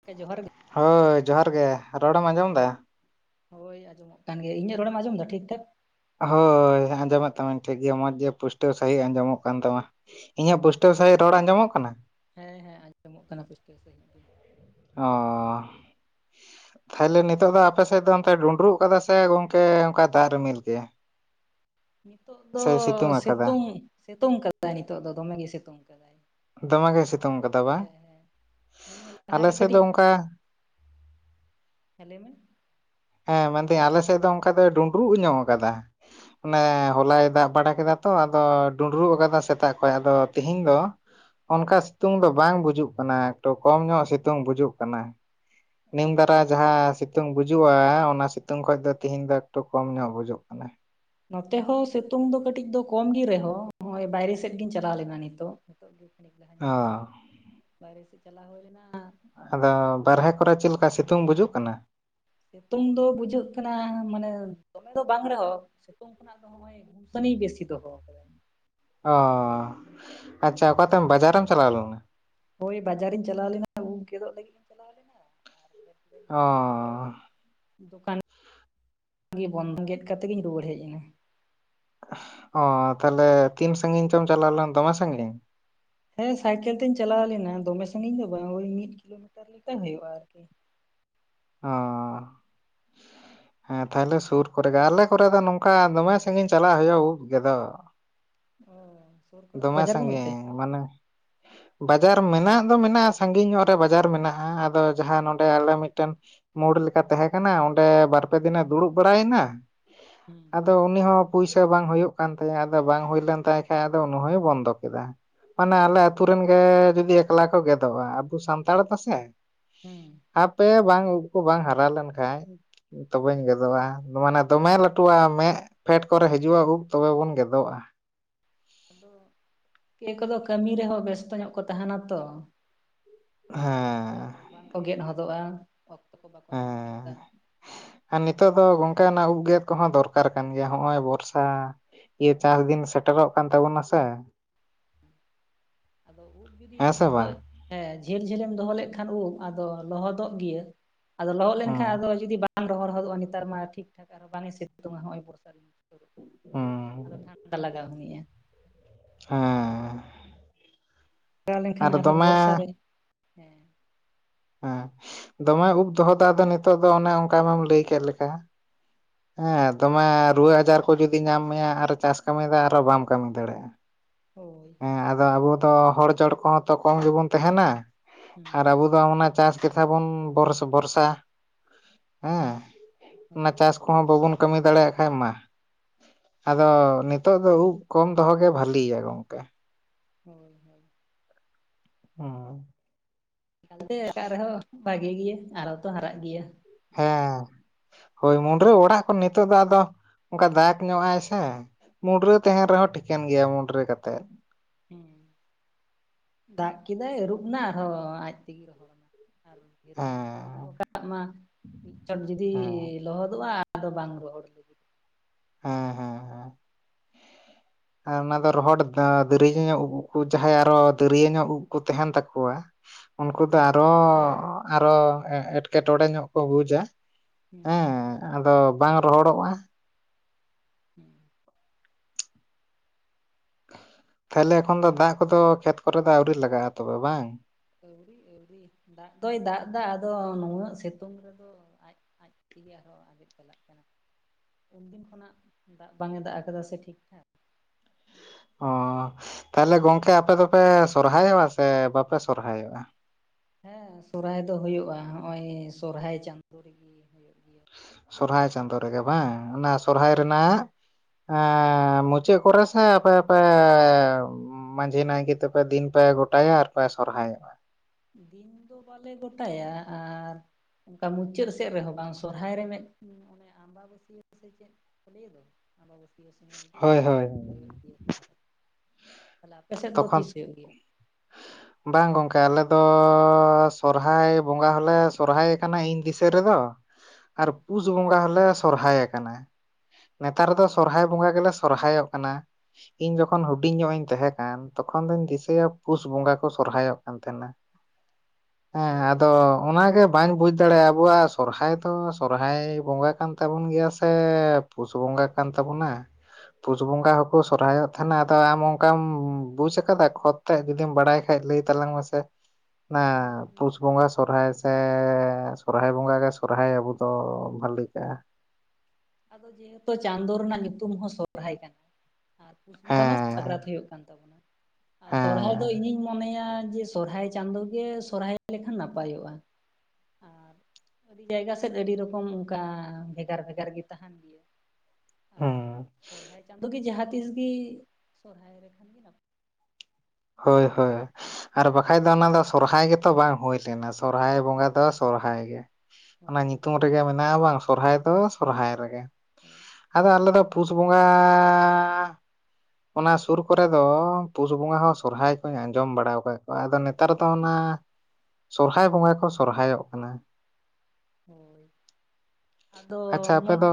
ᱜᱚᱢᱠᱮ ᱡᱚᱦᱟᱨ ᱜᱮ ᱦᱳᱭ ᱡᱚᱦᱟᱨ ᱜᱮ ᱨᱚᱲ ᱮᱢ ᱟᱸᱡᱚᱢ ᱮᱫᱟ? ᱦᱳᱭ ᱟᱸᱡᱚᱢᱚᱜ ᱠᱟᱱ ᱜᱮᱭᱟ ᱤᱧᱟᱹᱜ ᱨᱚᱲᱮᱢ ᱟᱸᱡᱚᱢ ᱮᱫᱟ ᱴᱷᱤᱠ ᱴᱷᱟᱠ? ᱦᱳᱭ ᱟᱸᱡᱚᱢᱮᱫ ᱛᱟᱢᱟᱧ ᱴᱷᱤᱠ ᱜᱮᱭᱟ ᱢᱚᱸᱡᱽ ᱜᱮ ᱯᱩᱥᱴᱟᱹᱣ ᱥᱟᱹᱦᱤᱡ ᱟᱸᱡᱚᱢᱚᱜ ᱠᱟᱱ ᱛᱟᱢᱟ᱾ ᱤᱧᱟᱹᱜ ᱯᱩᱥᱴᱟᱹᱣ ᱥᱟᱺᱦᱤᱡ ᱨᱚᱲ ᱟᱸᱡᱚᱢᱚᱜ ᱠᱟᱱᱟ᱾ ᱦᱮᱸ ᱦᱮᱸ ᱟᱸᱡᱚᱢᱚᱜ ᱠᱟᱱᱟ ᱯᱩᱥᱴᱟᱹᱣ ᱥᱟᱹᱦᱤᱡ ᱜᱮ᱾ ᱚ ᱛᱟᱦᱚᱞᱮ ᱱᱤᱛᱚᱜ ᱫᱚ ᱟᱯᱮᱥᱮᱫ ᱫᱚ ᱚᱱ ᱰᱩᱸᱰᱨᱩᱜ ᱠᱟᱫᱟ ᱥᱮ ᱜᱚᱢᱠᱮ ᱚᱱᱠᱟ ᱫᱟᱜ ᱨᱤᱢᱤᱞ ᱜᱮ? ᱱᱤᱛᱚᱜ ᱫᱚ ᱥᱮᱭ ᱟᱠᱟᱫᱟ ᱥᱤᱛᱩᱝ ᱥᱤᱛᱩᱝ ᱠᱟᱫᱟᱭ ᱱᱤᱛᱚᱜ ᱫᱚ ᱫᱚᱢᱮᱜ ᱜᱮ ᱥᱤᱛᱩᱝ ᱠᱟᱫᱟᱭ ᱫᱚᱢᱮ ᱜᱮ ᱱᱚᱜᱼᱚᱭ ᱥᱤᱛᱩᱝ ᱠᱟᱹᱴᱤᱡ ᱟᱠᱟᱫᱟ ᱵᱟᱝ? ᱦᱮᱸ ᱦᱮᱸ ᱱᱤᱭᱟᱹ ᱞᱟᱦᱟ ᱟᱞᱮ ᱜᱮ ᱥᱮᱫ ᱠᱟᱹᱴᱤᱡ ᱫᱚ ᱚᱱᱠᱟ ᱦᱮᱸ ᱞᱟᱹᱭ ᱢᱮ ᱦᱮᱸ ᱢᱮᱱᱫᱟᱹᱧ ᱟᱞᱮ ᱥᱮᱫ ᱫᱚ ᱚᱱᱠᱟ ᱫᱚ ᱰᱩᱸᱰᱨᱩᱜ ᱧᱚᱜ ᱟᱠᱟᱫᱟ᱾ ᱚᱱᱮ ᱦᱚᱞᱟᱭ ᱫᱟᱜ ᱵᱟᱲᱟ ᱠᱮᱫᱟ ᱛᱚ ᱟᱫᱚ ᱰᱩᱸᱰᱨᱩᱜ ᱟᱠᱟᱫᱟ ᱥᱮᱛᱟᱜ ᱠᱷᱚᱱ ᱟᱫᱚ ᱛᱮᱦᱤᱧ ᱫᱚ ᱚᱱᱠᱟ ᱥᱤᱛᱩᱝ ᱫᱚ ᱵᱟᱝ ᱵᱩᱡᱩᱜ ᱠᱟᱱᱟ ᱮᱠᱴᱩ ᱠᱚᱢ ᱧᱚᱜ ᱥᱤᱛᱩᱝ ᱵᱩᱡᱩᱜ ᱠᱟᱱᱟ᱾ ᱱᱤᱢ ᱚ ᱫᱟᱨᱟ ᱡᱟᱦᱟᱸ ᱥᱤᱛᱩᱝ ᱵᱩᱡᱩᱜᱼᱟ᱾ ᱦᱮᱸ ᱚᱱᱟ ᱥᱤᱛᱩᱝ ᱠᱷᱚᱱ ᱫᱚ ᱛᱤᱦᱧ ᱫᱚ ᱮᱠᱴᱩ ᱠᱚᱢ ᱧᱚᱜ ᱵᱩᱡᱩᱜ ᱠᱟᱱᱟ᱾ ᱱᱚᱛᱮ ᱦᱚᱸ ᱥᱤᱛᱩᱝ ᱫᱚ ᱠᱟᱹᱴᱤᱡ ᱫᱚ ᱠᱚᱢᱜᱮ ᱨᱮᱦᱚᱸ ᱱᱚᱜ ᱚᱭ ᱵᱟᱭᱨᱮ ᱥᱮᱫ ᱜᱤᱧ ᱪᱟᱞᱟᱣ ᱞᱮᱱᱟ ᱱᱤᱛᱚᱜ᱾ ᱱᱤᱛᱚᱜ ᱜᱮ ᱠᱷᱟᱹᱱᱤᱠ ᱞᱟᱦᱟᱧ ᱚ ᱦᱮᱡ ᱟᱠᱟᱱᱟ ᱵᱟᱭᱨᱮ ᱥᱮᱫ ᱪᱟᱞᱟᱣ ᱦᱩᱭ ᱞᱮᱱᱟ᱾ ᱟᱫᱚ ᱵᱟᱨᱦᱮ ᱠᱚᱨᱮ ᱪᱮᱫ ᱞᱮᱠᱟ ᱥᱤᱛᱩᱝ ᱵᱩᱡᱩᱜ ᱠᱟᱱᱟ᱾ ᱥᱤᱛᱩᱝ ᱫᱚ ᱵᱩᱡᱷᱟᱹᱜ ᱠᱟᱱᱟ ᱢᱟᱱᱮ ᱫᱚᱢᱮ ᱫᱚ ᱵᱟᱝ ᱨᱮᱦᱚᱸ ᱥᱤᱛᱩᱝ ᱠᱷᱚᱱᱟᱜ ᱫᱚ᱾ ᱚᱭ ᱜᱩᱢᱥᱟᱱᱤ ᱵᱮᱥᱤ ᱫᱚ ᱦᱮ᱾ ᱚ ᱟᱪᱪᱷᱟ ᱚᱠᱟᱛᱮ ᱵᱟᱡᱟᱨ ᱮᱢ ᱪᱟᱞᱟᱣ ᱞᱮᱱᱟ? ᱦᱳᱭ ᱵᱟᱡᱟᱨ ᱤᱧ ᱪᱟᱞᱟᱣ ᱞᱮᱱᱟ ᱩᱵ ᱜᱮᱫᱚᱜ ᱞᱟᱹᱜᱤᱫ ᱤᱧ ᱪᱟᱞᱟᱣ ᱞᱮᱱᱟ᱾ ᱟᱨ ᱢᱤᱫ ᱫᱤᱱ ᱢᱟ ᱚ ᱡᱚᱛᱚ ᱫᱚᱠᱟᱱ ᱜᱮ ᱵᱚᱱᱫᱚ ᱜᱮᱫ ᱠᱟᱛᱮᱜ ᱤᱧ ᱨᱩᱣᱟᱹᱲ ᱦᱮᱡ ᱮᱱᱟ᱾ ᱚ ᱛᱟᱦᱚᱞᱮ ᱛᱤᱱ ᱥᱟᱺᱜᱤᱧ ᱪᱚᱢ ᱪᱟᱞᱟᱣ ᱞᱮᱱᱟ ᱫᱚᱢᱮ ᱥᱟᱺᱜᱤᱧ ᱦᱮᱸ ᱥᱟᱭᱠᱮᱞ ᱛᱮᱤᱧ ᱪᱟᱞᱟᱣ ᱞᱮᱱᱟ ᱫᱚᱢᱮ ᱥᱟᱺᱜᱤᱧ ᱫᱚ ᱵᱟᱝ ᱳᱭ ᱢᱤᱫ ᱠᱤᱞᱳᱢᱤᱴᱟᱨ ᱞᱮᱠᱟ ᱦᱩᱭᱩᱜᱼᱟ ᱟᱨᱠᱤ ᱚ ᱦᱮᱸ ᱛᱟᱦᱚᱞᱮ ᱥᱩᱨ ᱠᱚᱨᱮ ᱜᱮ ᱟᱞᱮ ᱠᱚᱨᱮ ᱫᱚ ᱱᱚᱝᱠᱟ ᱫᱚᱢᱮ ᱥᱟᱺᱜᱤᱧ ᱪᱟᱞᱟᱜ ᱦᱩᱭᱩᱜᱼᱟ ᱩᱵ ᱜᱮᱫᱚᱜ ᱚ ᱥᱩᱨ ᱠᱚᱨᱮ ᱫᱚ ᱫᱚᱢᱮ ᱵᱟᱡᱟᱨ ᱵᱟᱹᱱᱩᱜ ᱛᱮ ᱥᱟᱺᱜᱤᱧ ᱢᱟᱱᱮ ᱵᱟᱡᱟᱨ ᱢᱮᱱᱟᱜ ᱫᱚ ᱢᱮᱱᱟᱜᱼᱟ ᱥᱟᱺᱜᱤᱧ ᱧᱚᱜ ᱨᱮ ᱵᱟᱡᱟᱨ ᱢᱮᱱᱟᱜᱼᱟ ᱟᱫᱚ ᱡᱟᱦᱟᱸ ᱱᱚᱰᱮ ᱟᱞᱮ ᱢᱤᱫᱴᱮᱱ ᱢᱳᱲ ᱞᱮᱠᱟ ᱛᱟᱦᱮᱸ ᱠᱟᱱᱟ ᱚᱸᱰᱮ ᱵᱟᱨᱯᱮ ᱫᱤᱱᱮ ᱫᱩᱲᱩᱵ ᱵᱟᱲᱟᱭᱮᱱᱟ᱾ ᱦᱮᱸ ᱟᱫᱚ ᱩᱱᱤ ᱦᱚᱸ ᱯᱩᱭᱥᱟᱹ ᱵᱟᱝ ᱦᱩᱭᱩᱜ ᱠᱟᱱ ᱛᱟᱭᱟ ᱟᱫᱚ ᱵᱟᱝ ᱦᱩᱭ ᱞᱮᱱ ᱛᱟᱭ ᱠᱷᱟ ᱟᱫᱚ ᱩᱱᱤ ᱦᱚᱭ ᱵᱚᱱᱫᱚ ᱠᱮᱫᱟ᱾ ᱢᱟᱱᱮ ᱟᱞᱮ ᱟᱛᱩ ᱨᱮᱱ ᱜᱮ ᱡᱩᱫᱤ ᱮᱠᱞᱟ ᱠᱚ ᱜᱮᱫᱚᱜᱼᱟ ᱟᱵᱚ ᱥᱟᱱᱛᱟᱲ ᱫᱚ ᱥᱮ ᱦᱮᱸ ᱦᱟᱯᱮ ᱵᱟᱝ ᱩᱵ ᱠᱚ ᱵᱟᱝ ᱦᱟᱨᱟ ᱞᱮᱱᱠᱷᱟᱡ ᱛᱚᱵᱟᱹᱧ ᱜᱚᱫᱚᱜᱼᱟ ᱢᱟᱱᱮ ᱫᱚᱢᱮ ᱞᱟᱹᱴᱩᱜᱼᱟ ᱢᱮᱫ ᱯᱷᱮᱰ ᱠᱚᱨᱮ ᱦᱤᱡᱩᱜ ᱟᱹᱜᱩ ᱛᱚᱵᱮ ᱵᱚᱱ ᱜᱮᱫᱚᱜᱼᱟ᱾ ᱟᱫᱚ ᱠᱚ ᱫᱚ [unintelligible] ᱠᱟᱹᱢᱤ ᱨᱮᱦᱚᱸ ᱵᱮᱥᱛᱚ ᱧᱚᱜ ᱠᱚ ᱛᱟᱦᱮᱱᱟ ᱛᱚ᱾ ᱦᱮᱸ ᱟᱫᱚ ᱵᱟᱝᱠᱚ ᱜᱮᱫ ᱦᱚᱫᱚᱜᱼᱟ ᱚᱠᱛᱚ ᱠᱚ ᱵᱟᱠᱚ ᱧᱟᱢᱟ ᱦᱮᱸ ᱚᱱᱠᱟ ᱟᱨ ᱱᱤᱛᱚᱜ ᱫᱚ ᱜᱝᱠᱟᱱᱟᱜ ᱩᱵᱜᱮᱫ ᱠᱚᱦᱚᱸ ᱫᱚᱨᱠᱟᱨ ᱠᱟᱱ ᱜᱮᱭᱟ ᱱᱚᱜᱼᱚᱭ ᱵᱚᱨᱥᱟ ᱤᱭᱟᱹ ᱪᱟᱥ ᱫᱤᱱ ᱥᱮᱴᱮᱨᱚᱜ ᱠᱟᱱ ᱛᱟᱵᱚᱱᱟ ᱥᱮ᱾ ᱟᱫᱚ ᱦᱮᱸ [unintelligible] ᱥᱮ ᱵᱟᱝ ᱱᱤᱛᱚᱜ ᱦᱮᱸ ᱡᱷᱟᱹᱞ ᱡᱷᱟᱹᱞᱢ ᱫᱚᱦᱚ ᱞᱮᱜ ᱠᱷᱟᱱ ᱩᱵ ᱟᱫᱚ ᱞᱚᱦᱚᱫᱚᱜ ᱜᱮᱭᱟ᱾ ᱟᱫᱚ ᱞᱚᱦᱚᱜ ᱦᱩᱸ ᱞᱮᱱᱠᱷᱟᱱ ᱟᱫᱚ ᱡᱩᱫᱤ ᱵᱟᱝ ᱵᱟᱝ ᱨᱚᱦᱚᱨ ᱦᱚᱫᱚᱜᱼᱟ᱾ ᱱᱮᱛᱟᱨ ᱢᱟ ᱴᱷᱤᱠ ᱴᱷᱟᱠ ᱟᱨᱚ ᱵᱟᱝᱮ ᱥᱮᱛᱩᱝᱼᱟ ᱦᱚᱜᱼᱚᱭ ᱵᱚᱨᱥᱟ ᱨᱮ‌ ᱢᱟ᱾ ᱦᱩᱸ [unintelligible] ᱦᱮᱸ [unintelligible] ᱞᱮᱱᱠᱷᱟᱱ ᱟᱨ ᱟᱨᱦᱚᱸ ᱫᱚᱢᱮ ᱵᱚᱨᱥᱟ ᱨᱮ ᱦᱮᱸ᱾ ᱦᱮᱸ ᱫᱚᱢᱮ ᱩᱵ ᱫᱚᱦᱚ ᱫᱚ ᱟᱫᱚ ᱱᱤᱛᱚᱜ ᱫᱚ ᱚᱱᱮ ᱚᱝᱠᱟ ᱟᱢᱮᱢ ᱞᱟᱹᱭ ᱠᱮᱜ ᱞᱮᱠᱟ᱾ ᱦᱮᱸ ᱫᱚᱢᱮ ᱨᱩᱣᱟᱹ ᱟᱡᱟᱨ ᱠᱚ ᱡᱩᱫᱤ ᱧᱟᱢ ᱢᱮᱭᱟ ᱟᱨᱚ ᱪᱟᱥ ᱠᱟᱹᱢᱤ ᱫᱚ ᱟᱨᱚ ᱵᱟᱢ ᱠᱟᱹᱢᱤ ᱫᱟᱲᱮᱭᱟᱜᱼᱟ᱾ ᱦᱳᱭ ᱦᱮᱸ ᱟᱫᱚ ᱟᱵᱚ ᱛᱚ ᱦᱚᱲ ᱡᱚᱲ ᱠᱚᱦᱚ ᱠᱚᱢ ᱜᱮᱵᱚᱱ ᱛᱟᱦᱮᱱᱟ᱾ ᱦᱩᱸ ᱟᱨ ᱟᱵᱚ ᱫᱚ ᱟᱱᱟ ᱪᱟᱥ ᱜᱮ ᱛᱟᱵᱚᱱ ᱵᱚᱨᱥ ᱵᱷᱚᱨᱥᱟ ᱦᱮᱸ ᱚᱱᱟ ᱦᱳᱭ ᱪᱟᱥ ᱠᱚᱦᱚᱸ ᱵᱟᱵᱚᱱ ᱠᱟᱹᱢᱤ ᱫᱟᱲᱮᱭᱟᱜ ᱠᱷᱟᱡ ᱢᱟ᱾ ᱟᱫᱚ ᱱᱤᱛᱚᱜ ᱫᱚ ᱩᱵ ᱠᱚᱢ ᱫᱚᱦᱚ ᱜᱮ ᱵᱟᱹᱞᱤᱭᱟ ᱜᱚᱝᱠᱮ᱾ ᱦᱳᱭ ᱦᱳᱭ ᱦᱩᱸ [unintelligible] ᱨᱮᱦᱚᱸ ᱵᱷᱟᱜᱤ ᱜᱮᱭᱟ ᱟᱨᱚ ᱛᱚ ᱦᱟᱨᱟᱜ ᱜᱮᱭᱟ᱾ ᱦᱮᱸ ᱦᱳᱭ ᱢᱩᱰᱨᱟᱹ ᱚᱲᱟᱜ ᱠᱷᱚᱱ ᱱᱤᱛᱚᱜ ᱫᱚ ᱟᱫᱚ ᱚᱝᱠᱟ ᱫᱟᱜᱽ ᱧᱚᱜᱼᱟᱭ ᱥᱮ᱾ ᱢᱩᱱᱰᱨᱟᱹ ᱛᱟᱦᱮᱱ ᱨᱮᱦᱚᱸ ᱴᱷᱤᱠᱟᱹᱱ ᱜᱮᱭᱟ ᱢᱩᱰᱨᱟᱹ ᱠᱟᱛᱮᱜ᱾ ᱦᱩᱸ ᱫᱟᱜ ᱠᱮᱫᱟᱭ ᱟᱹᱨᱩᱵᱱᱟ ᱟᱨᱦᱚᱸ ᱟᱡ ᱛᱮᱜᱮ ᱨᱚᱦᱚᱲ ᱟᱨᱚ᱾ ᱰᱷᱤᱨ ᱧᱚᱜ ᱡᱩᱫᱤᱢ ᱦᱮᱸ ᱫᱚᱦᱚ ᱠᱟᱜ ᱢᱟ ᱢᱤᱫ ᱪᱚᱴ ᱡᱩᱫᱤ ᱦᱮᱸ ᱞᱚᱦᱚᱫᱚᱜᱼᱟ ᱟᱫᱚ ᱵᱟᱝ ᱨᱚᱦᱚᱲ ᱞᱟᱹᱜᱤᱫ ᱦᱮᱸ ᱦᱮᱸ ᱦᱮᱸ ᱟᱨ ᱚᱱᱟ ᱫᱚ ᱨᱚᱦᱚᱲ ᱫᱟᱹᱨᱭᱟᱹ ᱧᱚᱜ ᱩᱵ ᱠᱚ ᱡᱟᱦᱟᱸᱭ ᱟᱨᱚ ᱫᱟᱹᱨᱭᱟᱹ ᱧᱚᱜ ᱩᱵ ᱠᱚ ᱛᱟᱦᱮᱱ ᱛᱟᱠᱚᱣᱟ᱾ ᱩᱱᱠᱩ ᱫᱚ ᱟᱨᱚ ᱟᱨᱚ ᱮᱴᱠᱮᱴᱚᱬᱮ ᱧᱚᱜ ᱠᱚ ᱵᱩᱡᱟ᱾ ᱦᱩᱸ ᱦᱮᱸ ᱟᱫᱚ ᱵᱟᱝ ᱨᱚᱦᱚᱲᱚᱜᱼᱟ᱾ ᱦᱩᱸ ᱛᱟᱦᱞᱮ ᱮᱠᱷᱚᱱ ᱫᱚ ᱫᱟᱜ ᱠᱚᱫᱚ ᱠᱷᱮᱛ ᱠᱚᱨᱮ ᱫᱚ ᱟᱣᱨᱤ ᱞᱟᱜᱟᱜᱼᱟ ᱛᱚᱵᱮ ᱵᱟᱝ? ᱟᱹᱣᱨᱤ ᱟᱹᱣᱨᱤ ᱫᱟᱜ ᱫᱚᱭ ᱫᱟᱜ ᱫᱟ ᱟᱫᱚ ᱱᱩᱱᱟᱹᱜ ᱥᱤᱛᱩᱝ ᱨᱮᱫᱚ ᱟᱡ ᱟᱡ ᱛᱮᱜᱮ ᱟᱫᱚ ᱟᱡᱮᱫ ᱪᱟᱞᱟᱜ ᱠᱟᱱᱟ ᱩᱱᱫᱤᱱ ᱠᱷᱚᱱᱟᱜ ᱫᱟᱜ ᱵᱟᱝ ᱮ ᱫᱟᱜ ᱟᱠᱟᱫᱟ ᱥᱮ ᱴᱷᱤᱠ ᱴᱷᱟᱠ᱾ ᱚ ᱛᱟᱦᱞᱮ ᱜᱚᱝᱠᱮ ᱟᱯᱮ ᱫᱚᱯᱮ ᱥᱚᱨᱦᱟᱭᱚᱜᱼᱟ ᱥᱮ ᱵᱟᱯᱮ ᱥᱚᱨᱦᱟᱭᱚᱜᱼᱟ? ᱦᱮᱸ ᱥᱚᱨᱚᱦᱚᱨᱟᱭ ᱫᱚ ᱦᱩᱭᱩᱜᱼᱟ ᱦᱚᱸᱜᱼᱚᱭ ᱥᱚᱨᱦᱟᱭ ᱪᱟᱸᱫᱳ ᱨᱮᱜᱮ ᱦᱩᱭᱩᱜ ᱜᱮᱭᱟ᱾ ᱥᱚᱨᱦᱟᱭ ᱪᱟᱸᱫᱳ ᱨᱮᱜᱮ ᱵᱟᱝ ᱚᱱᱟ ᱥᱚᱨᱦᱟᱭ ᱨᱮᱱᱟᱜ ᱮᱸ ᱢᱩᱪᱟᱹᱜ ᱠᱚᱨᱮ ᱥᱮ ᱟᱯᱮ ᱟᱯᱮ ᱢᱟᱺᱡᱷᱤ ᱱᱟᱭᱠᱮ ᱛᱮᱯᱮ ᱫᱤᱱ ᱯᱮ ᱜᱚᱴᱟᱭᱟ ᱟᱨ ᱯᱮ ᱥᱚᱨᱦᱟᱭᱚᱜᱼᱟ᱾ ᱫᱤᱱ ᱫᱚ ᱵᱟᱞᱮ ᱜᱚᱴᱟᱭᱟ᱾ ᱟᱨ ᱚᱝᱠᱟ ᱢᱩᱪᱟᱹᱜ ᱥᱮᱫ ᱨᱮᱦᱚᱸ ᱵᱟᱝ ᱥᱚᱨᱦᱟᱭ ᱨᱮ ᱢᱮᱜᱴᱮᱱ ᱚᱱᱮ ᱟᱢᱵᱟ ᱵᱚ ᱫᱤᱱ ᱥᱮᱪᱮᱜ ᱵᱤᱨ ᱦᱳᱭ ᱦᱳᱭ [unintelligible] ᱛᱟᱞᱮ ᱟᱯᱮ ᱥᱮᱜ ᱫᱚ ᱛᱚᱠᱷᱚᱱ ᱛᱤᱥ ᱦᱩᱭᱩᱜ ᱜᱮᱭᱟ? [unintelligible] ᱵᱟᱝ ᱜᱚᱝᱠᱮ ᱟᱞᱮ ᱫᱚ ᱥᱚᱨᱦᱟᱭ ᱵᱚᱸᱜᱟ ᱦᱚᱞᱮ ᱥᱚᱨᱦᱟᱭ ᱠᱟᱱᱟ ᱤᱧ ᱫᱤᱥᱟᱹ ᱨᱮᱫᱚ᱾ ᱟᱨ ᱯᱩᱥ ᱵᱚᱸᱜᱟ ᱦᱚᱸᱞᱮ ᱥᱚᱨᱦᱟᱭ ᱠᱟᱱᱟ᱾ ᱱᱮᱛᱟᱨ ᱫᱚ ᱥᱚᱨᱦᱟᱭ ᱵᱚᱸᱜᱟ ᱜᱮᱞᱮ ᱥᱚᱨᱦᱟᱭᱚᱜ ᱠᱟᱱᱟ᱾ ᱤᱧ ᱡᱚᱠᱷᱚᱱ ᱦᱩᱰᱤᱧ ᱧᱚᱜ ᱤᱧ ᱛᱟᱦᱮᱸ ᱠᱟᱱ ᱛᱚᱠᱷᱚᱱ ᱫᱚᱧ ᱫᱤᱥᱟᱹᱭᱟ ᱯᱩᱥ ᱵᱚᱸᱜᱟ ᱠᱚ ᱥᱚᱨᱦᱟᱭᱚᱜ ᱠᱟᱱ ᱛᱟᱦᱮᱱᱟ᱾ ᱦᱮᱸ ᱦᱳᱭ ᱟᱫᱚ ᱚᱱᱟᱜᱮ ᱵᱟᱹᱧ ᱵᱩᱡᱽ ᱫᱟᱲᱮᱭᱟᱜᱼᱟ ᱟᱵᱚᱣᱟᱜ ᱥᱚᱨᱦᱟᱭ ᱫᱚ ᱥᱚᱨᱦᱟᱭ ᱵᱚᱸᱜᱟ ᱠᱟᱱ ᱛᱟᱵᱚᱱ ᱜᱮᱭᱟ ᱥᱮ ᱯᱩᱥ ᱵᱚᱸᱜᱟ ᱠᱟᱱ ᱛᱟᱵᱚᱱᱟ᱾ ᱯᱩᱥ ᱵᱚᱸᱜᱟ ᱦᱚᱸᱠᱚ ᱥᱚᱨᱦᱟᱭᱚᱜ ᱛᱟᱦᱮᱱᱟ ᱟᱫᱚ ᱟᱢ ᱚᱝᱠᱟᱢ ᱵᱩᱡᱽ ᱟᱠᱟᱫᱟ ᱠᱷᱚᱛ ᱛᱮ ᱡᱩᱫᱤᱢ ᱵᱟᱲᱟᱭ ᱠᱷᱟᱡ ᱞᱟᱹᱭ ᱛᱟᱞᱟᱝ ᱢᱮᱥᱮ ᱚᱱᱟ ᱯᱩᱥ ᱤᱧ ᱵᱚᱸᱜᱟ ᱥᱚᱨᱦᱟᱭ ᱥᱮ ᱥᱚᱨᱦᱟᱭ ᱵᱚᱸᱜᱟ ᱜᱮ ᱥᱚᱨᱦᱟᱭ ᱟᱵᱚᱫᱚ ᱵᱷᱟᱞᱤᱜ-ᱟ ᱟᱫᱚ ᱡᱮᱦᱮᱛᱩ ᱪᱟᱸᱫᱚ ᱨᱮᱱᱟᱜ ᱧᱩᱛᱩᱢ ᱦᱚᱸ ᱥᱚᱨᱦᱟᱭ ᱠᱟᱱᱟ ᱟᱨ ᱯᱩᱥ ᱵᱚᱸᱜᱟ ᱢᱟ ᱥᱟᱠᱨᱟᱛ ᱦᱮᱸ ᱦᱩᱭᱩᱜ ᱠᱟᱱ ᱛᱟᱵᱚᱱᱟ ᱟᱨ ᱥᱚᱨᱦᱟᱭ ᱫᱚ ᱦᱮᱸ ᱤᱧᱤᱧ ᱢᱚᱱᱮ ᱡᱮ ᱥᱚᱨᱦᱟᱭ ᱪᱟᱸᱫᱚ ᱜᱮ ᱥᱚᱨᱦᱟᱭ ᱞᱮᱠᱷᱟᱱ ᱱᱟᱯᱟᱭᱚᱜᱼᱟ ᱟᱨ ᱟᱹᱰᱤ ᱡᱟᱭᱜᱟ ᱥᱮᱫ ᱟᱹᱰᱤ ᱨᱚᱠᱚᱢ ᱚᱱᱠᱟ ᱵᱷᱮᱜᱟᱨ ᱵᱷᱮᱜᱟᱨ ᱜᱮ ᱛᱟᱦᱮᱱ ᱜᱮᱭᱟ ᱦᱩᱸ ᱟᱨ ᱥᱚᱨᱦᱟᱭ ᱪᱟᱸᱫᱚ ᱜᱮ ᱡᱟᱦᱟᱸ ᱛᱤᱥ ᱜᱮ ᱥᱚᱨᱦᱟᱭ ᱨᱮᱠᱷᱟᱱ ᱜᱮ ᱱᱟᱯᱟᱭᱚᱜ ᱦᱳᱭ ᱦᱳᱭ ᱟᱨ ᱵᱟᱠᱷᱟᱡ ᱫᱚ ᱚᱱᱟ ᱫᱚ ᱥᱚᱨᱦᱟᱭ ᱜᱮᱛᱚ ᱵᱟᱝ ᱦᱩᱭ ᱞᱮᱱᱟ ᱥᱮ ᱥᱚᱨᱦᱟᱭ ᱵᱚᱸᱜᱟ ᱦᱳᱭ ᱫᱚ ᱥᱚᱨᱦᱟᱭ ᱜᱮ ᱚᱱᱟ ᱦᱳᱭ ᱧᱩᱛᱩᱢ ᱨᱮᱜᱮ ᱢᱮᱱᱟᱜᱼᱟ ᱵᱟᱝ ᱥᱚᱨᱦᱟᱭ ᱫᱚ ᱥᱚᱨᱦᱟᱭ ᱨᱮᱜᱮ ᱦᱮᱸ [unintelligible] ᱟᱫᱚ ᱟᱞᱮ ᱫᱚ ᱯᱩᱥ ᱵᱚᱸᱜᱟ ᱚᱱᱟ ᱥᱩᱨ ᱠᱚᱨᱮ ᱫᱚ ᱯᱩᱥ ᱵᱚᱸᱜᱟ ᱦᱚᱸ ᱥᱚᱨᱦᱟᱭ ᱠᱚᱧ ᱟᱸᱡᱚᱢ ᱵᱟᱲᱟ ᱟᱠᱟᱫ ᱠᱚᱣᱟ ᱟᱫᱚ ᱱᱮᱛᱟᱨ ᱫᱚ ᱚᱱᱟ ᱥᱚᱨᱦᱟᱭ ᱵᱚᱸᱜᱟ ᱠᱚ ᱥᱚᱨᱦᱟᱭᱚᱜ ᱠᱟᱱᱟ ᱦᱳᱭ ᱟᱫᱚ ᱟᱪᱪᱷᱟ ᱟᱯᱮ ᱢᱚᱱ ᱫᱚ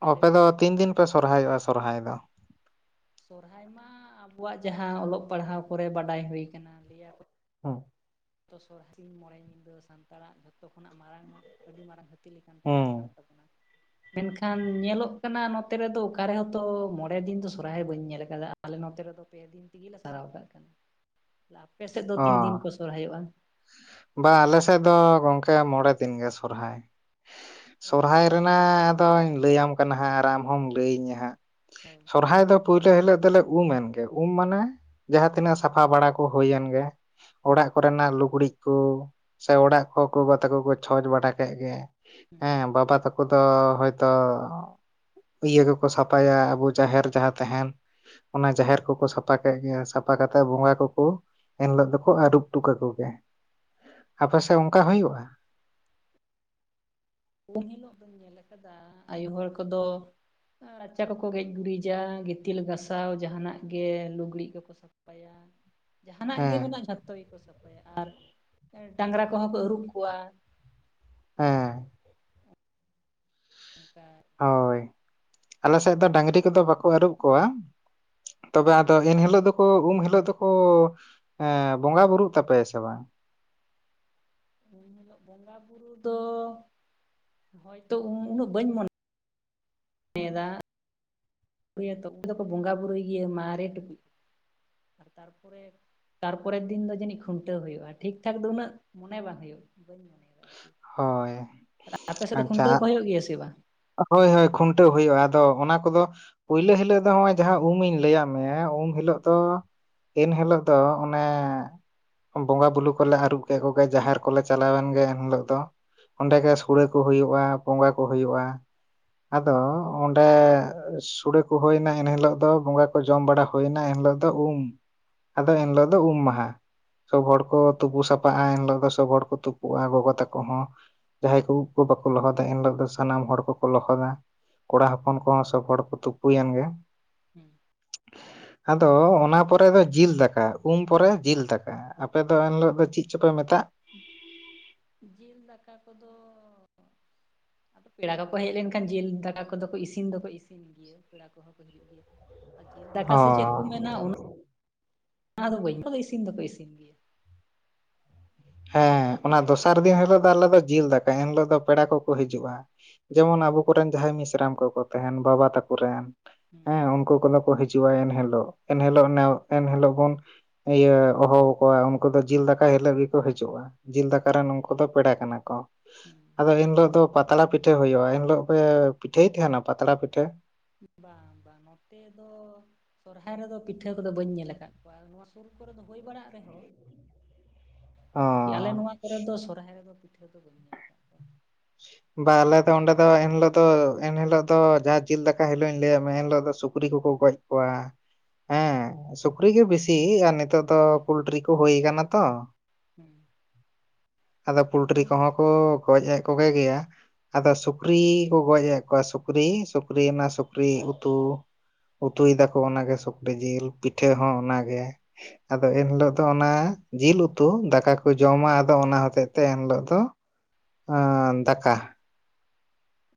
ᱦᱮᱸ ᱞᱟᱹᱭ ᱟᱯᱮ ᱢᱮ ᱫᱚ ᱛᱤᱱ ᱫᱤᱱ ᱯᱮ ᱥᱚᱨᱦᱟᱭᱚᱜᱼᱟ ᱥᱚᱨᱦᱟᱭ ᱫᱚ ᱥᱚᱨᱦᱟᱭ ᱢᱟ ᱟᱵᱚᱣᱟᱜ ᱡᱟᱦᱟᱸ ᱚᱞᱚᱜ ᱯᱟᱲᱦᱟᱣ ᱠᱚᱨᱮ ᱵᱟᱰᱟᱭ ᱦᱩᱭ ᱠᱟᱱᱟ ᱦᱩᱸ ᱡᱚᱛᱚ ᱥᱚᱨᱦᱟᱭ ᱥᱤᱧ ᱢᱚᱬᱮ ᱧᱤᱫᱟᱹ ᱥᱟᱱᱛᱟᱲᱟᱜ ᱡᱷᱚᱛᱚ ᱠᱷᱚᱱᱟᱜ ᱢᱟᱨᱟᱝ ᱟᱹᱰᱤ ᱢᱟᱨᱟᱝ ᱦᱟᱹᱛᱤ ᱞᱮᱠᱟᱱ ᱯᱚᱨᱚᱵᱽ ᱠᱟᱱ ᱦᱩᱸ ᱛᱟᱵᱚᱱᱟ ᱢᱮᱱᱠᱷᱟᱱ ᱧᱮᱞᱚᱜ ᱠᱟᱱᱟ ᱱᱚᱛᱮ ᱨᱮᱫᱚ ᱚᱠᱟ ᱨᱮᱦᱚᱛᱚ ᱢᱚᱲᱮᱫᱤᱱ ᱫᱚ ᱥᱚᱨᱦᱟᱭ ᱵᱟᱹᱧ ᱧᱮᱞ ᱟᱠᱟᱫᱟ ᱟᱞᱮ ᱱᱚᱛᱮ ᱨᱮᱫᱚ ᱯᱮ ᱫᱤᱱ ᱛᱮᱜᱮ ᱞᱮ ᱥᱟᱨᱟᱣ ᱠᱟᱜ ᱠᱟᱱᱟ ᱟᱯᱮ ᱥᱮᱫ ᱫᱚ ᱛᱤᱱ ᱫᱤᱱ ᱠᱚ ᱥᱚᱨᱦᱟᱭᱚᱜᱼᱟ ᱵᱟᱝᱼᱟ ᱟᱞᱮ ᱥᱮᱫ ᱫᱚ ᱜᱚᱝᱠᱮ ᱢᱚᱬᱮ ᱫᱤᱱ ᱜᱮ ᱥᱚᱨᱦᱟᱭ ᱚ ᱥᱚᱨᱦᱟᱭ ᱨᱮᱱᱟᱜ ᱟᱫᱚᱧ ᱞᱟᱹᱭᱟᱢ ᱠᱟᱱᱟ ᱦᱟᱸᱜ ᱟᱨ ᱟᱢ ᱦᱚᱢ ᱞᱟᱹᱭᱟᱹᱧᱟᱹ ᱦᱟᱸᱜ ᱦᱚᱭ ᱥᱚᱨᱦᱟᱭ ᱫᱚ ᱯᱳᱭᱞᱳ ᱦᱤᱞᱳᱜ ᱫᱚᱞᱮ ᱩᱢ ᱮᱱ ᱜᱮ ᱩᱢ ᱢᱟᱱᱮ ᱡᱟᱦᱟᱸ ᱛᱤᱱᱟᱹᱜ ᱥᱟᱯᱷᱟ ᱵᱟᱲᱟ ᱠᱚ ᱦᱩᱭᱮᱱ ᱜᱮ ᱦᱩᱸ ᱚᱲᱟᱜ ᱠᱚᱨᱮᱱᱟᱜ ᱞᱩᱜᱽᱲᱤᱡ ᱠᱚ ᱥᱮ ᱚᱲᱟᱜ ᱠᱚ ᱜᱚᱜᱚ ᱛᱟᱠᱚ ᱠᱚ ᱪᱷᱚᱸᱪ ᱵᱟᱰᱟ ᱠᱮᱫ ᱜᱮ ᱦᱩᱸ ᱦᱮᱸ ᱵᱟᱵᱟ ᱛᱟᱠᱚ ᱫᱚ ᱦᱚᱭᱛᱚ ᱤᱭᱟᱹ ᱠᱚᱠᱚ ᱥᱟᱯᱷᱟᱭᱟ ᱟᱵᱚ ᱡᱟᱦᱮᱨ ᱡᱟᱦᱟᱸ ᱛᱟᱦᱮᱱ ᱚᱱᱟ ᱡᱟᱦᱮᱨ ᱠᱚᱠᱚ ᱥᱟᱯᱷᱟ ᱠᱮᱫ ᱜᱮ ᱥᱟᱯᱷᱟ ᱠᱟᱛᱮᱫ ᱵᱚᱸᱜᱟ ᱠᱚᱠᱚ ᱮᱱ ᱦᱤᱞᱳᱜ ᱫᱚᱠᱚ ᱟᱹᱨᱩᱵ ᱦᱚᱴᱚ ᱠᱟᱠᱩ ᱜᱮ ᱟᱯᱮᱥᱮᱫ ᱚᱱᱠᱟ ᱦᱩᱭᱩᱜᱼᱟ ᱩᱱ ᱦᱤᱞᱚᱜ ᱫᱚᱧ ᱧᱮᱞ ᱟᱠᱟᱫᱟ ᱟᱭᱩ ᱦᱚᱲ ᱠᱚᱫᱚ ᱟᱨ ᱨᱟᱪᱟ ᱠᱚᱠᱚ ᱜᱮᱡ ᱜᱩᱨᱤᱡᱟ ᱜᱤᱛᱤᱞ ᱜᱟᱥᱟᱣ ᱡᱟᱦᱟᱱᱟᱜ ᱜᱮ ᱞᱩᱜᱽᱲᱤᱡ ᱠᱚᱠᱚ ᱥᱟᱯᱷᱟ ᱥᱟᱯᱟᱭᱟ ᱡᱟᱦᱟᱱᱟᱜ ᱜᱮ ᱦᱮᱸ ᱢᱮᱱᱟᱜᱼᱟ ᱡᱷᱚᱛᱚ ᱜᱮᱠᱚ ᱥᱟᱯᱷᱟᱭᱟ ᱟᱨ ᱰᱟᱝᱨᱟ ᱠᱚᱦᱚᱸ ᱠᱚ ᱟᱹᱨᱩᱵ ᱠᱚᱣᱟ ᱦᱮᱸ ᱠᱟ [unintelligible] ᱦᱚᱭ ᱟᱞᱮ ᱥᱮᱫ ᱫᱚ ᱰᱟᱝᱨᱤ ᱠᱚᱫᱚ ᱵᱟᱠᱚ ᱟᱹᱨᱩᱵ ᱠᱚᱣᱟ ᱛᱚᱵᱮ ᱟᱫᱚ ᱮᱱ ᱦᱤᱞᱳᱜ ᱫᱚᱠᱚ ᱩᱢ ᱦᱤᱞᱳᱜ ᱫᱚᱠᱚ ᱦᱮᱸ ᱵᱚᱸᱜᱟ ᱵᱩᱨᱩᱜ ᱛᱟᱯᱮᱭᱟ ᱥᱮ ᱵᱟᱝ ᱵᱚᱸᱜᱟ ᱵᱩᱨᱩ ᱫᱚ ᱦᱚᱭᱛᱚ ᱩᱱᱟᱹᱜ ᱵᱟᱹᱧ ᱢᱚᱱᱮ ᱮᱫᱟ [unintelligible] ᱫᱚᱠᱚ ᱵᱚᱸᱜᱟ ᱵᱩᱨᱩᱭ ᱜᱮᱭᱟ ᱢᱟᱨᱮ ᱴᱩᱠᱩᱡ ᱟᱨ ᱛᱟᱨᱯᱚᱨᱮ ᱛᱟᱨᱯᱚᱨᱮᱨ ᱫᱤᱱ ᱫᱚ ᱡᱟᱹᱱᱤᱡ ᱠᱷᱩᱱᱴᱟᱹ ᱦᱩᱭᱩᱜᱼᱟ ᱴᱷᱤᱠ ᱴᱷᱟᱠ ᱫᱚ ᱩᱱᱟᱹᱜ ᱢᱚᱱᱮ ᱵᱟᱝ ᱦᱩᱭᱩᱜᱼᱟ ᱵᱟᱹᱧ ᱢᱚᱱᱮᱭᱟ ᱦᱳᱭ ᱟᱯᱮ ᱥᱮᱫ ᱫᱚ ᱟᱪᱪᱷᱟ ᱠᱷᱩᱱᱴᱟᱹᱣ ᱠᱚ ᱦᱩᱭᱩᱜ ᱜᱮᱭᱟ ᱥᱮ ᱵᱟᱝ ᱦᱳᱭ ᱦᱳᱭ ᱠᱷᱩᱱᱴᱟᱹᱣ ᱦᱩᱭᱩᱜᱼᱟ ᱟᱫᱚ ᱚᱱᱟ ᱠᱚᱫᱚ ᱯᱳᱭᱞᱳ ᱦᱤᱞᱳᱜ ᱫᱚ ᱱᱚᱜᱼᱚᱭ ᱡᱟᱦᱟᱸ ᱩᱢ ᱤᱧ ᱞᱟᱹᱭᱟᱫ ᱢᱮᱭᱟ ᱩᱢ ᱦᱤᱞᱳᱜ ᱫᱚ ᱤᱱ ᱦᱤᱞᱳᱜ ᱫᱚ ᱚᱱᱮ ᱵᱚᱸᱜᱟ ᱵᱩᱞᱩ ᱠᱚᱞᱮ ᱟᱹᱨᱩ ᱠᱮᱫ ᱠᱚᱜᱮ ᱡᱟᱦᱮᱨ ᱠᱚᱞᱮ ᱪᱟᱞᱟᱣᱮᱱ ᱜᱮᱭᱟ ᱮᱱᱦᱤᱞᱳᱜ ᱚᱸᱰᱮ ᱜᱮ ᱥᱳᱲᱮ ᱠᱚ ᱦᱩᱭᱩᱜᱼᱟ ᱵᱚᱸᱜᱟ ᱠᱚ ᱦᱩᱭᱩᱜᱼᱟ ᱟᱫᱚ ᱚᱸᱰᱮ ᱥᱩᱲᱮ ᱠᱚ ᱦᱩᱭᱱᱟ ᱮᱱᱦᱤᱞᱳᱜ ᱫᱚ ᱵᱚᱸᱜᱟ ᱠᱚ ᱡᱚᱢ ᱵᱟᱲᱟ ᱦᱩᱭᱱᱟ ᱮᱱᱦᱤᱞᱳᱜ ᱫᱚ ᱩᱢ ᱟᱫᱚ ᱮᱱᱦᱤᱞᱳᱜ ᱫᱚ ᱩᱢ ᱢᱟᱦᱟ ᱥᱚᱵ ᱦᱚᱲ ᱠᱚ ᱛᱩᱯᱩ ᱥᱟᱯᱷᱟᱜᱼᱟ ᱮᱱ ᱦᱤᱞᱳᱜ ᱫᱚ ᱥᱚᱵ ᱦᱚᱲ ᱠᱚ ᱛᱩᱯᱩᱜᱼᱟ ᱜᱚᱜᱚ ᱛᱟᱠᱚ ᱠᱚᱦᱚᱸ ᱡᱟᱦᱟᱸᱭ ᱠᱚ ᱩᱵᱽ ᱵᱟᱠᱚ ᱞᱚᱦᱚᱫᱟ ᱮᱱᱦᱤᱞᱳᱜ ᱫᱚ ᱥᱟᱱᱟᱢ ᱦᱚᱲ ᱠᱚᱠᱚ ᱞᱚᱦᱚᱫᱟ ᱠᱚᱲᱟ ᱦᱚᱯᱚᱱ ᱠᱚ ᱦᱚᱸ ᱥᱚᱵ ᱦᱚᱲ ᱠᱚ ᱛᱩᱯᱩᱭᱮᱱ ᱜᱮ [unintelligible] ᱟᱫᱚ ᱚᱱᱟ ᱯᱚᱨᱮ ᱫᱚ ᱡᱤᱞ ᱫᱟᱠᱟ ᱩᱢ ᱯᱚᱨᱮ ᱡᱤᱞ ᱫᱟᱠᱟ ᱟᱯᱮ ᱫᱚ ᱮᱱ ᱦᱤᱞᱳᱜ ᱫᱚ ᱪᱮᱫ ᱪᱚᱯᱮ ᱢᱮᱛᱟᱜ ᱡᱤᱞ ᱫᱟᱠᱟ ᱠᱚᱫᱚ ᱯᱮᱲᱟ ᱠᱚ ᱠᱚ ᱦᱮᱡ ᱞᱮᱱᱠᱷᱟᱱ ᱡᱤᱞ ᱫᱟᱠᱟ ᱠᱚᱫᱚ ᱠᱚ ᱤᱥᱤᱱ ᱫᱚᱠᱚ ᱤᱥᱤᱱ ᱜᱮᱭᱟ ᱠᱚᱦᱚᱸ ᱠᱚ ᱦᱤᱡᱩᱜ ᱜᱮᱭᱟ ᱟᱨ ᱡᱮᱞ ᱫᱟᱠᱟ ᱚ ᱥᱮ ᱪᱮᱫ ᱠᱚ ᱢᱮᱱᱟ ᱩᱱᱟᱹᱜ ᱚᱱᱟ ᱫᱚ ᱵᱟᱹᱧ ᱤᱥᱤᱱ ᱫᱚᱠᱚ ᱤᱥᱤᱱ ᱜᱮᱭᱟ ᱦᱮᱸ ᱚᱱᱟ ᱫᱚᱥᱟᱨ ᱫᱤᱱ ᱦᱤᱞᱳᱜ ᱫᱚ ᱟᱞᱮ ᱫᱚ ᱡᱤᱞ ᱫᱟᱠᱟ ᱮᱱ ᱦᱤᱞᱳᱜ ᱫᱚ ᱯᱮᱲᱟ ᱠᱚᱠᱚ ᱦᱤᱡᱩᱜᱼᱟ ᱡᱮᱢᱚᱱ ᱟᱵᱚ ᱠᱚᱨᱮᱱ ᱡᱟᱦᱟᱸᱭ ᱢᱤᱥᱨᱟᱢ ᱠᱚᱠᱚ ᱛᱟᱦᱮᱱ ᱵᱟᱵᱟ ᱛᱟᱠᱚᱨᱮᱱ ᱦᱩᱸ ᱦᱮᱸ ᱩᱱᱠᱩ ᱠᱚᱫᱚ ᱠᱚ ᱦᱤᱡᱩᱜᱼᱟ ᱦᱤᱡᱩᱜᱼᱟ ᱮᱱ ᱦᱤᱞᱳᱜ ᱮᱱᱦᱤᱞ ᱱᱮᱥ ᱮᱱᱦᱤᱞᱳᱜ ᱵᱚᱱ ᱤᱭᱟᱹ ᱦᱚᱦᱚ ᱟᱠᱚᱣᱟ ᱩᱱᱠᱩ ᱫᱚ ᱡᱤᱞ ᱫᱟᱠᱟ ᱦᱤᱞᱳᱜ ᱜᱮ ᱠᱚ ᱦᱤᱡᱩᱜᱼᱟ ᱡᱤᱞ ᱫᱟᱠᱟ ᱨᱮᱱ ᱱᱩᱠᱩ ᱫᱚ ᱯᱮᱲᱟ ᱠᱟᱱᱟ ᱠᱚ ᱦᱩᱸ ᱟᱫᱚ ᱮᱱᱦᱤᱞᱳᱜ ᱫᱚ ᱯᱟᱛᱲᱟ ᱯᱤᱴᱷᱟᱹ ᱦᱩᱭᱩᱜᱼᱟ ᱮᱱᱦᱤᱞᱳᱜ ᱯᱮ ᱯᱤᱴᱷᱟᱹᱭ ᱛᱟᱦᱮᱸᱱᱟ ᱯᱟᱛᱲᱟ ᱯᱤᱴᱷᱟᱹ ᱵᱟᱝ ᱵᱟᱝ ᱱᱚᱛᱮ ᱫᱚ ᱥᱚᱨᱦᱟᱭ ᱨᱮᱫᱚ ᱯᱤᱴᱷᱟᱹ ᱠᱚᱫᱚ ᱵᱟᱹᱧ ᱧᱮᱞ ᱟᱠᱟᱫ ᱠᱚᱣᱟ ᱱᱚᱣᱟ ᱥᱩᱨ ᱠᱚᱨᱮ ᱫᱚ ᱦᱩᱭ ᱵᱟᱲᱟᱜ ᱨᱮᱦᱚᱸ ᱚ ᱟᱞᱮ ᱱᱚᱣᱟ ᱠᱚᱨᱮ ᱫᱚ ᱥᱚᱨᱦᱟᱭ ᱨᱮᱫᱚ ᱯᱤᱴᱷᱟᱹ ᱫᱚ ᱵᱟᱹᱧ ᱧᱮᱞ [inaudible] ᱵᱟ ᱟᱞᱮ ᱫᱚ ᱚᱸᱰᱮ ᱫᱚ ᱮᱱᱦᱤᱞᱳᱜ ᱫᱚ ᱮᱱ ᱦᱤᱞᱳᱜ ᱫᱚ ᱡᱟᱦᱟᱸ ᱡᱤᱞ ᱫᱟᱠᱟ ᱦᱤᱞᱳᱜ ᱤᱧ ᱞᱟᱹᱭᱟᱫ ᱢᱮ ᱮᱱᱦᱤᱞᱳᱜ ᱫᱚ ᱥᱩᱠᱨᱤ ᱠᱚᱠᱚ ᱜᱚᱡ ᱠᱚᱣᱟ ᱦᱮᱸ ᱥᱩᱠᱨᱤ ᱜᱮ ᱵᱤᱥᱤ ᱟᱨ ᱱᱮᱛᱟᱨ ᱫᱚ ᱚ ᱦᱮᱸ ᱯᱳᱞᱴᱨᱤ ᱠᱚ ᱦᱮᱸ ᱦᱩᱭ ᱠᱟᱱᱟ ᱛᱚ ᱦᱮᱸ ᱟᱫᱚ ᱯᱚᱞᱴᱨᱤ ᱠᱚᱦᱚᱸ ᱠᱚ ᱜᱚᱡ ᱮᱜ ᱠᱚᱜᱮ ᱜᱮᱭᱟ ᱟᱫᱚ ᱥᱩᱠᱨᱤ ᱠᱚ ᱜᱚᱡ ᱮᱫ ᱠᱚᱣᱟ ᱥᱩᱠᱨᱤ ᱥᱩᱠᱨᱤ ᱚᱱᱟ ᱥᱩᱠᱨᱤ ᱩᱛᱩ ᱩᱛᱩᱭ ᱫᱟᱠᱚ ᱚᱱᱟ ᱜᱮ ᱥᱩᱠᱨᱤ ᱡᱤᱞ ᱯᱤᱴᱷᱟᱹ ᱦᱚᱸ ᱚᱱᱟ ᱜᱮ ᱟᱫᱚ ᱮᱱᱦᱤᱞᱳᱜ ᱫᱚ ᱚᱱᱟ ᱡᱤᱞ ᱩᱛᱩ ᱫᱟᱠᱟ ᱠᱚ ᱡᱚᱢᱟ ᱟᱫᱚ ᱚᱱᱟ ᱦᱚᱛᱮᱡ ᱛᱮ ᱮᱱᱦᱤᱞᱳᱜ ᱫᱚ ᱟᱻᱻ ᱫᱟᱠᱟ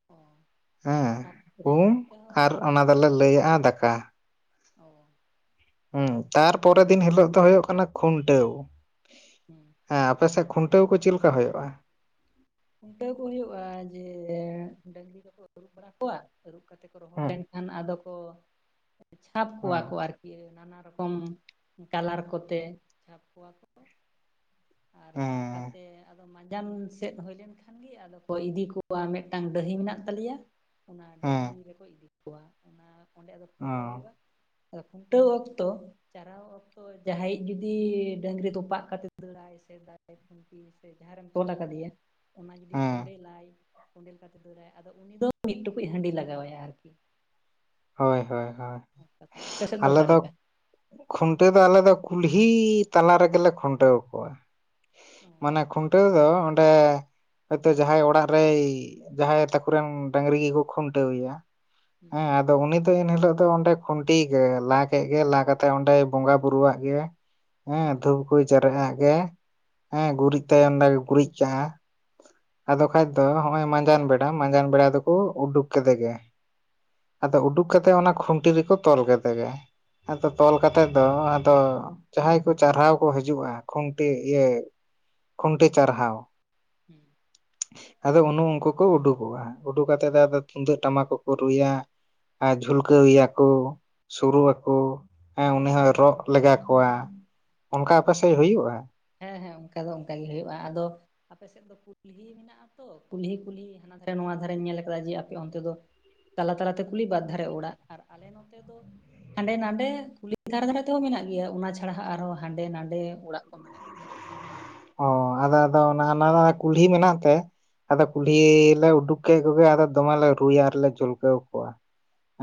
ᱚ ᱦᱮᱸ ᱱᱚᱛᱮ ᱦᱚᱸ ᱟᱫᱚᱞᱮ ᱞᱟᱹᱭᱮᱫᱼᱟ ᱫᱟᱠᱟ [unintelligible] ᱦᱮᱸ ᱛᱟᱨᱯᱚᱨᱮ ᱫᱤᱱ ᱦᱤᱞᱳᱜ ᱫᱚ ᱦᱩᱭᱩᱜ ᱠᱟᱱᱟ ᱠᱷᱩᱱᱴᱟᱹᱣ ᱦᱮᱸ ᱦᱮᱸ ᱟᱯᱮᱥᱮᱫ ᱠᱷᱩᱱᱴᱟᱹᱣ ᱠᱚ ᱪᱮᱫ ᱞᱮᱠᱟ ᱦᱩᱭᱩᱜᱼᱟ ᱠᱷᱩᱱᱴᱟᱹᱣ ᱠᱚ ᱦᱩᱭᱩᱜᱼᱟ ᱡᱮ ᱰᱟᱺᱝᱨᱤ ᱠᱚᱠᱚ ᱟᱹᱨᱩᱵ ᱵᱟᱲᱟ ᱠᱚᱣᱟ ᱟᱹᱨᱩᱵ ᱠᱟᱛᱮ ᱠᱚ ᱨᱚᱦᱚᱲ ᱦᱮᱸ ᱞᱮᱱᱠᱷᱟᱱ ᱟᱫᱚ ᱠᱚ ᱪᱷᱟᱯ ᱠᱚᱣᱟ ᱠᱚ ᱦᱮᱸ ᱟᱨᱠᱤ ᱱᱟᱱᱟ ᱨᱚᱠᱚᱢ ᱠᱟᱞᱟᱨ ᱠᱚᱛᱮ ᱪᱷᱟᱯ ᱠᱚᱣᱟ ᱠᱚ ᱟᱨ ᱪᱷᱟᱯ ᱦᱮᱸ ᱠᱟᱛᱮᱫ ᱟᱫᱚ ᱢᱟᱸᱡᱟᱱ ᱥᱮᱫ ᱦᱩᱭ ᱞᱮᱱᱠᱷᱟᱱᱜᱤ ᱟᱫᱚ ᱠᱚ ᱤᱫᱤ ᱠᱩᱣᱟ ᱢᱤᱫᱴᱟᱝ ᱰᱟᱹᱦᱤ ᱢᱮᱱᱟᱜ ᱛᱟᱞᱮᱭᱟ ᱚᱱᱟ ᱰᱟᱹᱦᱤ ᱦᱮᱸ ᱨᱮᱠᱚ ᱤᱫᱤ ᱠᱚᱣᱟ ᱚᱱᱟ ᱚᱸᱰᱮ ᱟᱫᱚ ᱚ ᱠᱷᱩᱱᱴᱟᱹᱣ ᱦᱳᱭᱳᱜᱼᱟ᱾ ᱟᱫᱚ ᱠᱷᱩᱱᱴᱟᱹᱣ ᱚᱠᱛᱚ [unintelligible] ᱚᱠᱛᱚ ᱡᱟᱦᱟᱸᱭᱤᱡ ᱡᱩᱫᱤ ᱰᱟᱹᱟᱝᱨᱤ ᱛᱚᱯᱟᱜ ᱠᱟᱛᱮ ᱥᱮᱫᱟᱭ ᱠᱷᱩᱱᱠ ᱥᱮ ᱡᱟᱦᱟᱸᱨᱮᱢ ᱛᱚᱞ ᱠᱟᱫᱮᱭᱟ ᱚᱱᱟ ᱡᱩᱫᱤ ᱦᱮᱸ ᱠᱳᱰᱮᱞᱟᱭ ᱞᱟᱭ [unintelligible] ᱟᱫᱚ ᱩᱱᱤ ᱫᱚ ᱢᱤᱫ ᱴᱩᱠᱩᱡ ᱦᱟᱺᱰᱤ ᱞᱟᱜᱟᱣᱟᱭᱟ ᱟᱨᱠᱤ᱾ ᱦᱳᱭ ᱦᱳᱭ ᱦᱳᱭ [unintelligible] ᱟᱯᱮᱥᱮᱱ ᱫᱚ ᱚᱠᱟᱞᱮᱠᱟ? ᱠᱷᱩᱱᱴᱟᱹᱣ ᱫᱚ ᱟᱞᱮ ᱫᱚ ᱠᱩᱞᱦᱤ ᱛᱟᱞᱟ ᱨᱮᱜᱮᱞᱮ ᱠᱷᱩᱱᱴᱟᱹᱣ ᱟᱠᱚᱣᱟ᱾ ᱚ ᱢᱟᱱᱮ ᱠᱷᱩᱱᱴᱟᱹᱣ ᱫᱚ ᱚᱸᱰᱮ ᱦᱚᱭᱛᱳ ᱡᱟᱦᱟᱸᱭ ᱚᱲᱟᱜ ᱨᱮ ᱡᱟᱦᱟᱸᱭ ᱛᱟᱠᱩ ᱨᱮᱱ ᱰᱟᱹᱟᱝᱨᱤ ᱜᱮᱠᱚ ᱠᱷᱩᱱᱴᱟᱹᱣ ᱮᱭᱟ᱾ ᱦᱩᱸ ᱦᱮᱸ ᱟ ᱟᱫᱚ ᱩᱱᱤ ᱫᱚ ᱮᱱᱦᱤᱞᱳᱜ ᱫᱚ ᱚᱸᱰᱮ ᱠᱷᱩᱱᱴᱤ ᱜᱮ ᱞᱟ ᱠᱮᱫ ᱜᱮ, ᱞᱟ ᱠᱟᱛᱮᱜ ᱚᱸᱰᱮᱭ ᱵᱚᱸᱜᱟ ᱵᱩᱨᱩᱣᱟᱜ ᱜᱮ ᱦᱮᱸ ᱦᱩᱸ ᱫᱷᱩᱯ ᱠᱩ ᱡᱟᱨᱟᱜᱟᱜ ᱜᱮ ᱦᱮᱸ ᱜᱩᱨᱤᱡ ᱛᱟᱭᱚᱢ ᱜᱮ ᱜᱩᱨᱤᱡ ᱠᱟᱜᱼᱟ᱾ ᱟᱫᱚ ᱠᱷᱟᱡ ᱫᱚ ᱦᱚᱸᱜ ᱚᱜ ᱢᱟᱸᱡᱟᱱ ᱵᱮᱲᱟ ᱢᱟᱸᱡᱟᱱ ᱵᱮᱲᱟ ᱫᱚᱠᱚ ᱩᱰᱩᱠ ᱠᱮᱫᱮᱜ ᱜᱮ ᱟᱫᱚ ᱩᱰᱩᱠ ᱠᱟᱛᱮᱜ ᱚᱱᱟ ᱠᱷᱩᱱᱴᱤ ᱨᱮᱠᱚ ᱛᱚᱞ ᱠᱮᱫᱮ ᱜᱮ᱾ ᱟᱫᱚ ᱚ ᱛᱚᱞ ᱦᱩᱸ ᱠᱟᱛᱮᱫ ᱫᱚ ᱟᱫᱚ ᱡᱟᱦᱟᱸᱭ ᱠᱚ ᱪᱟᱨᱦᱟᱣ ᱠᱚ ᱦᱤᱡᱩᱜᱼᱟ ᱠᱷᱩᱱᱴᱤ ᱤᱭᱟᱹ ᱠᱷᱩᱱᱴᱟᱹ ᱪᱟᱨᱦᱟᱣ ᱦᱩ ᱟᱫᱚ ᱩᱱᱩ ᱩᱱᱠᱩ ᱠᱚ ᱩᱰᱩᱠᱚᱜᱼᱟ ᱩᱰᱩᱠ ᱠᱟᱛᱮᱫ ᱛᱩᱢᱫᱟᱹᱜ ᱴᱟᱢᱟᱠᱚᱠᱚ ᱨᱩᱭᱟ ᱡᱷᱩᱞᱠᱟᱹᱣ ᱮᱭᱟ ᱠᱩ ᱥᱩᱨᱩᱜ ᱟᱠᱩ ᱦᱮᱸ ᱩᱱᱤ ᱦᱚᱭ ᱨᱚᱜ ᱞᱮᱜᱟ ᱠᱚᱣᱟ ᱦᱩᱸ ᱚᱱᱠᱟ ᱟᱯᱮ ᱥᱮᱫ ᱦᱩᱭᱩᱜᱼᱟ? ᱦᱮᱸ ᱦᱮᱸ ᱚᱱᱠᱟ ᱫᱚ ᱚᱱᱠᱟ ᱜᱮ ᱦᱳᱭᱳᱜᱼᱟ, ᱟᱫᱚ ᱟᱯᱮᱥᱮᱫ ᱫᱚ ᱠᱩᱞᱦᱤ ᱢᱮᱱᱟᱜᱼᱟ ᱛᱚ ᱠᱩᱞᱦᱤ ᱠᱩᱞᱦᱤ [unintelligible] ᱱᱚᱣᱟ ᱫᱷᱟᱨᱮᱧ ᱧᱮᱞ ᱠᱟᱫᱟ ᱡᱮ ᱟᱯᱮ ᱚᱱᱛᱮ ᱫᱚ ᱛᱟᱞᱟ ᱛᱟᱞᱟᱛᱮ ᱠᱩᱞᱤ ᱵᱟᱫ ᱫᱷᱟᱨᱮ ᱚᱲᱟᱜ ᱟᱨ ᱟᱞᱮ ᱱᱚᱛᱮ ᱫᱚ ᱦᱟᱸᱰᱮ ᱱᱟᱰᱮ ᱠᱩᱞᱤ ᱫᱷᱟᱨᱮ ᱫᱷᱟᱨᱮ ᱛᱮᱦᱚᱸ ᱢᱤᱱᱟᱜ ᱜᱮᱭᱟ ᱚᱱᱟ ᱪᱷᱟᱲᱟ ᱟᱨᱦᱚᱸ ᱦᱟᱸᱰᱮ ᱱᱟᱰᱮ ᱚᱲᱟᱜ ᱠᱚ ᱢᱤᱱᱟᱜᱼᱟ᱾ [unintelligible] ᱚ ᱟᱫᱚ ᱟᱫᱚ [unintelligible] ᱠᱩᱞᱦᱤ ᱢᱮᱱᱟᱜ ᱛᱮ ᱟᱫᱚ ᱠᱩᱞᱦᱤ ᱞᱮ ᱩᱰᱩᱠ ᱠᱮᱫ ᱠᱚᱜᱮ ᱟᱫᱚ ᱫᱚᱢᱮᱞᱮ ᱨᱩᱭᱟ ᱟᱨᱞᱮ ᱡᱩᱞᱠᱟᱹᱣ ᱠᱚᱣᱟ᱾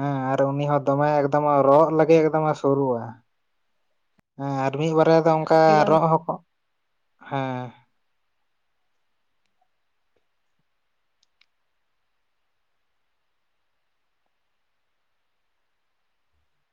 ᱦᱮᱸ ᱟᱨ ᱩᱱᱤ ᱦᱚᱸ ᱫᱚᱢᱮ ᱮᱠᱫᱚᱢ ᱨᱚᱜ ᱞᱟᱹᱜᱤᱫ ᱮᱠᱫᱚᱢᱮ ᱥᱳᱨᱳᱜᱼᱟ ᱦᱮᱸ ᱟᱨ ᱢᱤᱫ ᱵᱟᱨᱮ ᱫᱚ ᱟᱫᱚ ᱚᱱᱠᱟ ᱛᱤᱨᱮᱢ ᱨᱚᱜ ᱦᱚᱸ [unintelligible] ᱦᱮᱸ